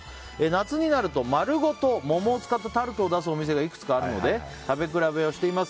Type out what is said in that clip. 夏になると丸ごと桃を使ったタルトを出すお店がいくつかあるので食べ比べをしています。